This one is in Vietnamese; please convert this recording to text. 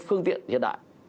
phương tiện hiện đại